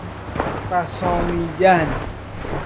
فَسانیدن